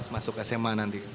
masuk sma nanti